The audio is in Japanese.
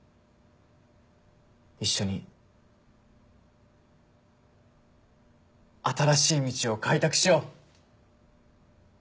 一緒に新しい道を開拓しよう！